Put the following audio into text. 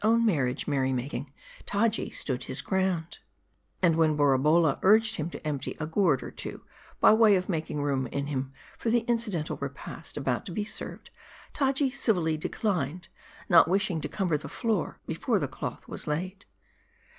own marriage merry making, Taji stood on his guard. And when Borabolla urged him to empty a gourd or two, by way of making room in him for the incidental repast about to be served, Taji civilly declined ; not wishing to cumber the floor, be fore the cloth was laid.